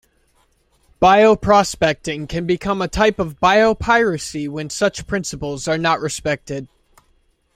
Bioprospecting can become a type of biopiracy when such principles are not respected.